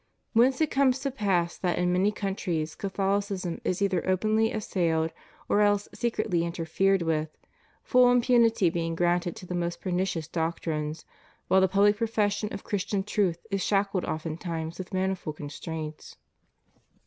Whence it comes to pass that in many countries Catholicism is either openly assailed or else secretly inter fered with, full impunity being granted to the most per nicious doctrines, while the public profession of Christian truth is shackled oftentimes with manifold constraints.